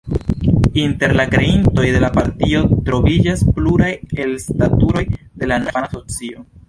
Inter la kreintoj de la partio troviĝas pluraj elstaruloj de la nuna hispana socio.